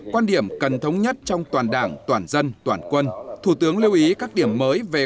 quan điểm cần thống nhất trong toàn đảng toàn dân toàn quân thủ tướng lưu ý các điểm mới về